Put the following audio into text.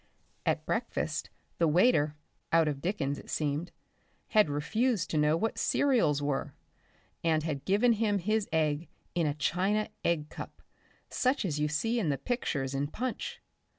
At breakfast the waiter (out of Dickens it seemed) had refused to know what "cereals" were, and had given him his egg in a china egg cup such as you see in the pictures in Punch.